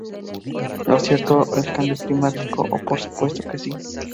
¿Es cierto el cambio climático? Oh por supuesto que si